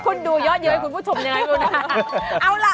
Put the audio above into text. คุณดูยอดเยอะเพื่อนคุณผู้ชมทำไงผมนะ